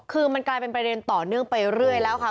คือมันกลายเป็นประเด็นต่อเนื่องไปเรื่อยแล้วค่ะ